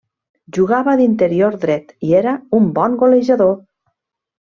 Jugava d'interior dret i era un bon golejador.